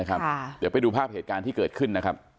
เดี๋ยวไปดูภาพเหตุการณ์ที่เกิดขึ้นนะครับ